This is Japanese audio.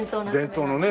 伝統のね。